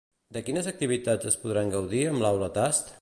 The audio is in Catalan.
De quines activitats es podran gaudir amb l'Aula tast?